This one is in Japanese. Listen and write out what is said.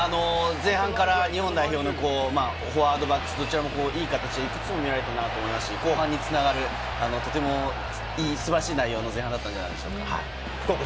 前半から日本代表のフォワード、バックス、どちらもいい形でいくつも見られたなと思いますし、後半につながる、とても素晴らしい内容の前半だったんじゃないでしょうか。